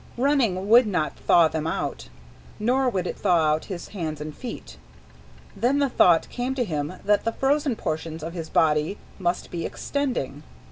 Running would not thaw them out. Nor would it thaw out his hands and feet. Then the thought came to him that the frozen portions of his body must be extending.